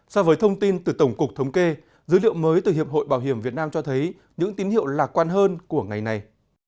so với thông tin từ tổng cục thống kê dữ liệu mới từ hiệp hội bảo hiểm việt nam cho thấy những tín hiệu lạc quan hơn của ngày này